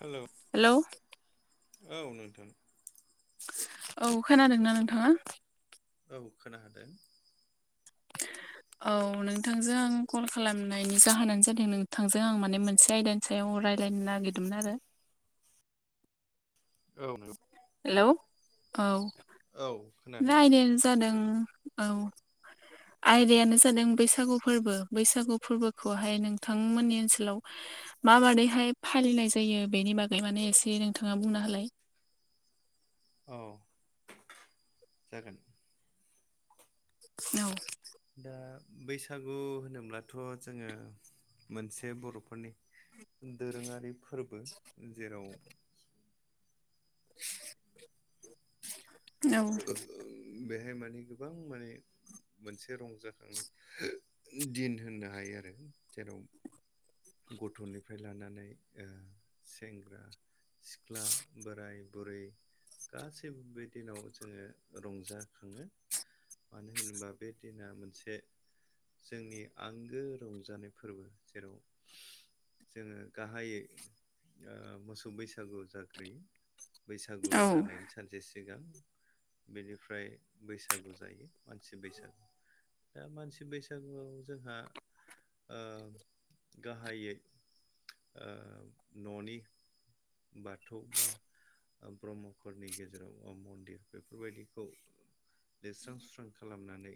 Hello. Hello. औ नोंथां। औ खोनादोंना नोंथाङा? औ खोनादों। औ नोंथांजों आं कल खालामनायनि जाहोनानो जादों नोंथांजों आं माने मोनसे आयदा सायाव रायज्लायनो नागिरदोंमोन आरो। औनो हेल औ। औ। रायनायानो जादों औ। आयदायानो जादों बैसागु फोरबो बैसागु फोरबोखौहाय नोंथांमोननि ओनसोलाव माबादैहाय फालिनाय जायो बेनि बागै माने एसे नोंथाङा बुंनो हालाय औ। जागोन। औ। दा बैसागु होनोब्लाथ' जोङो मोनसे बर'फोरनि दोरोङारि फोरबो जेराव औ। बेहाय माने गोबां माने मोनसे रंजाखांनाय दिन होननो हायो आरो जेराव गथ'निफ्राय लानानै सेंग्रा सिख्ला बोराय बुरै गासैबो बे दिनाव जोङो रंजाखाङो। मानो होनोबा बे दिना मोनसे जोंनि आंगो रंजानाय फोरबो जेराव जोङो गाहायै मोसौ बैसागु जाग्रोयो बैसागु औ जानाय सानसे सिगां बेनिफ्राय बैसागु जायो मानसि बैसागु दा मानसि बैसागुआव जोंहा ओ गाहायै न'नि बाथौ बा ब्रह्मफोरनि गेजेराव मन्दिर बेफोरबायदिखौ लेरस्रां सुस्रां खालामनानै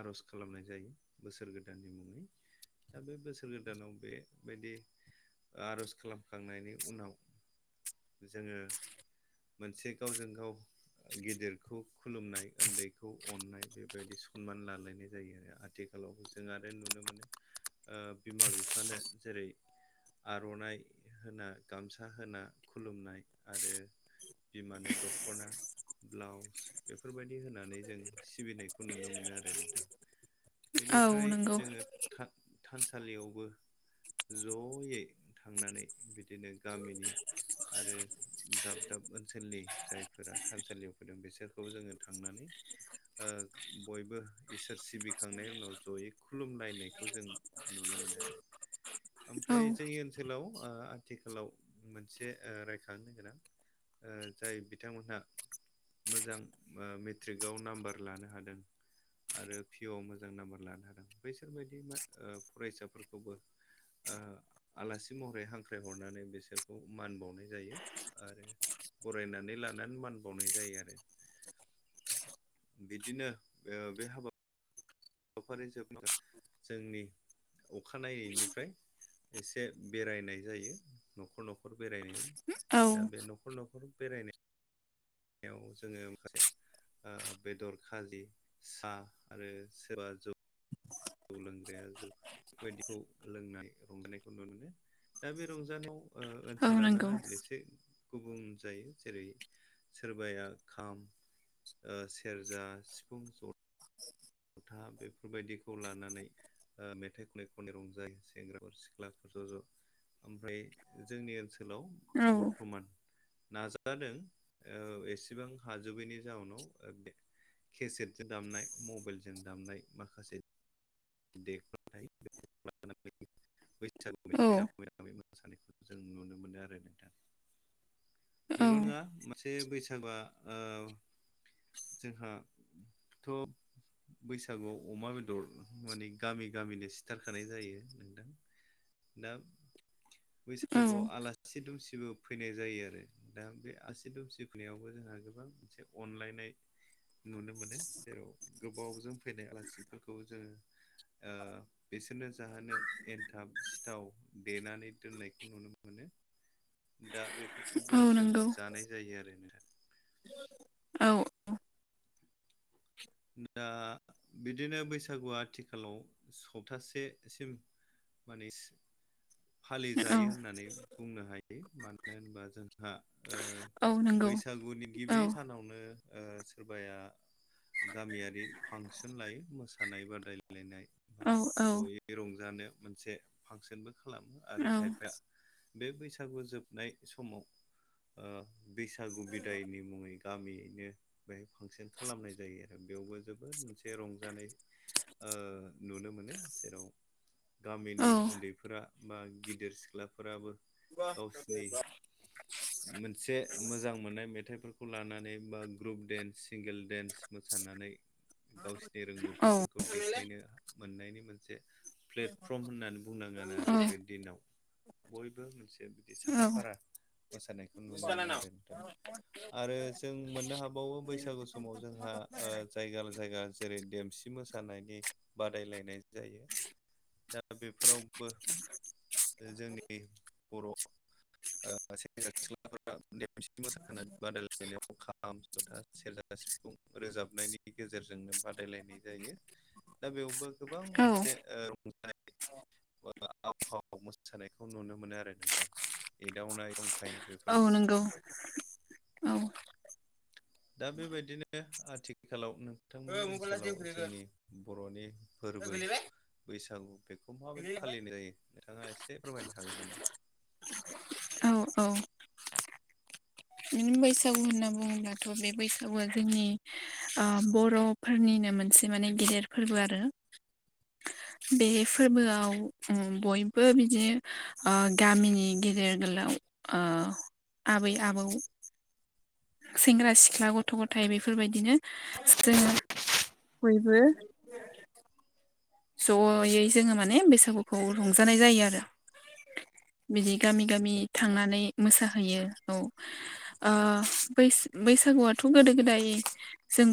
आर'ज खालामनाय जायो बोसोर गोदाननि मुङै दा बे बोसोर गोदानाव बेबायदि आर'ज खालामखांनायनि उनाव जोङो मोनसे गावजों गाव गेदेरखौ खुलुमनाय उन्दैखौ अननाय बेबायदि सनमान लालायनाय जायो आरो आथि आथिखालाव जों आरो नुनो मोनो बिमा बिफानो जेरै- आर'नाइ होना गामसा होना खुलुमनाय आरो बिमानो दख'ना ब्लाउस बेफोरबायदि होनानै जों सिबिनायखौ नुनो मोनो आरो नोंथां। औ बेनिफ्राय नंगौ जोङो थानसालियावबो जयै थांनानै बिदिनो गामिनि आरो दाब दाब ओनसोलनि जायफोरा थानसालियाव फैदों बिसोरखौ जोङो थांनानै बयबो इसोर सिबि फखांनायनि उनाव जयै खुलुमलनायनायखौ जों नुनो मोनो आरो। औ ओमफ्राय जोंनि ओनसोलाव आथिखालाव मोनसे रायखांनो गोनां। जाय बिथांमोनहा मोजां मेट्रिकआव नाम्बार लानो हादों। आरो पिअ आ मोजां नाम्बार लानो हादों बैसोर बायदि फरायसाफोरखौबो आलासि महरै हांख्रायहरनानै बिसोरखौ मान बावनाय जायो आरो‌। बरायनानै लानानै मान बावनाय जायो आरो। बिदिनो ओ बे हाबा हाबाफारि जे जोंनि अखानायैनायनिफ्राय एसे बेरायनाय जायो न'खर न'खर बेरायनायाव औ दा बे न'खर न'खर बेरायनाय जसेदर खाजि सा आरोबा जे जौ लोंग्राया जौ बेफोर [unintelligible] बायदिखौ लोंनाय रंजानायखौ नुनो मोनो दा बे रंजानायाव औ ओनसोल नंगौ लानानै एसे गुबुं जायो जेरै सोरबाया खाम ओ सेरजा सिफुं ज जथा बेफोरबायदिखौ लानानै ओ मेथाइ खननाय खनायनि रंजायो सेंग्राफोर सिख्लाफोर ज' ज' ओमफ्राय जोंनि ओनसोलाव औ बर्थमान नाजादों एसेबां हाजोबैनि जाउनाव केसेटजों दामनाय मबाइलजों दामनाय माखासे [unintelligible] आ बे औ मोसानायखौ जों नुनो मोनो आरो नोंथां। औ बेल' नङा मोनसे बैसागुआ जोंहा ओ थ' बैसागुआव अमा बेदर माने गामि गामिनो सिथारखानाय जायो नोंथाङा। दा औ बैसागुआव आलासि दुमसिबो फैनाय जायो आरो। दा बे आसि दुमसि फुनायावबो जोंहा गोबां मोनसे अनलायनाय। नुनो मोनो जेराव गोबावजों फैनाय आलासिफोरखौ जोङो ओ बिसोरनो जाहोनो एनथाब सिथाव देनानै दोननायखौ नुनो मोनो। दा बेफोरखौबो औ जों नंगौ जानाय जायो आरोना औ औ। दा बिदिनो बैसागुआ आथिखालाव सप्तासेसिम माने औ फालिजायो होननानै बुंनो हायो मानो होनब्ला जों औ नंगौ बैसागुनि औ गिबि सानावनो सोरबाया गामियारि फांसन लायो मोसानाय बादायलायलायनाय बा औ औ जयै रंजानो मोनसे फांसनबो खालामो आरो औ खायफाया बे बैसागु जोबनायनि समाव ओ बैसागु बिदायनि मुङै गामियैनो बेहाय फांसन खालामनाय जायो आरो बेयावबो जोबोद मोनसे रंजानाय। नुनो मोनो जेराव औ गामिनि उन्दैफोरा बा गिदिर सिख्लाफोराबो गावसिनि [inaudible] मोनसे मोजां मोननाय मेथाइफोरखौ लानानै बा ग्रुप देन्स सिंगोल देन्स मोसानानै गावसिनि रोंगौथिफोरखौ देखायनो मोननायनि मोनसे प्लेटफर्म होननानै बुंनांगोन औ आरो। बे दिनाव बयबो मोनसे बिदि साखा-फारा मोसानायखौ नुनो मोनो आरो दा आरो जों मोननो हाबावो बैसागु समाव जोंहा जायगा जायगा जेरै देमसि मो जानायनि बादायलायनाय जायो दा बेफोरावबो बे जोंनि बर' सेंग्रा सिख्लाफोरा देमसि मोसानाय बादायलायनायाव खाम जथा सेरजा सिफुं रोजाबनायनि गेजेरजोंनो बादायलायनाय जायो दा बेयावबो गोबां औ मोनसे रंजानाय आव फाव मोसानायखौ नुनो मोनो आरो नोंथां एदावनाय जंखायनाय औ बेफोरबायदि नंगौ औ दा बेबायदिनो आथिखालाव नोंथांमोननि ओनसोलाव जोंनि बर'नि फोरबो बैसागु बेखौ माबायदि फालिनाय जायो नोंथाङा एसे फोरमायनो हागोन नामा औ औ बिदिनो बैसागु होनना बुङोबथ' बे बैसागुआ जोंनि बर' फोरनिनो मोनसे माने गेदेर फोरबो आरो बे फोरबोआव बयबो बिदिनो गामिनि गेदेर गोलाव आबै आबौ सेंग्रा सिख्ला गथ' गथाय बेफोरबायदिनो जोङो बयबो ज'यै जोङो माने बैसागुखौ रंजानाय जायो आरो बिदि गामि गामि थांनानै मोसाहैयो औ बैसागुआथ' गोदो गोदाय जों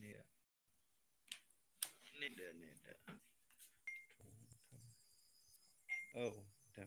नेदा [unintelligible] औ दे